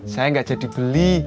saya nggak jadi beli